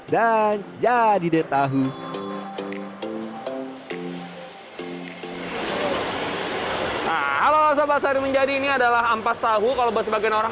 dan jadi deh tahu halo sobat hari menjadi ini adalah ampas tahu kalau buat sebagian orang